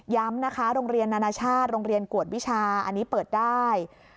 นะคะโรงเรียนนานาชาติโรงเรียนกวดวิชาอันนี้เปิดได้